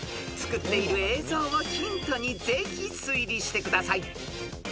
［作っている映像をヒントにぜひ推理してください］